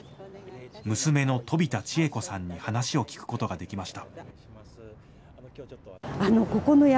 娘の飛田千枝子さんに話を聞くことができました。